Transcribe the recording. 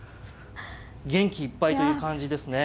元気いっぱいという感じですね。